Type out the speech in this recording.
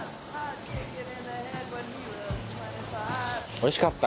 おいしかった。